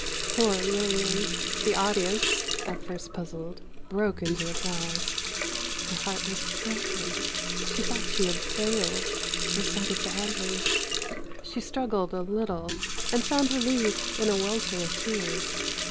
Poor Lillian! The audience, at first puzzled, broke into applause. Her heart was broken. She thought she had failed—recited badly. She struggled a little, and found relief in a welter of tears.